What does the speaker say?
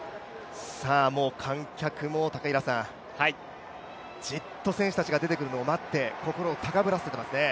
もう観客もじっと選手たちが出てくるのを待って、心を高ぶらせていますね。